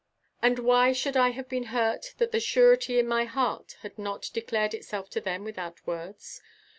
And why should I have been hurt that the surety in my heart had not declared itself to them without words?